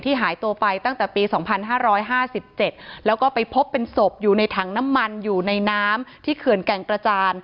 หายตัวไปตั้งแต่ปี๒๕๕๗แล้วก็ไปพบเป็นศพอยู่ในถังน้ำมันอยู่ในน้ำที่เขื่อนแก่งกระจาน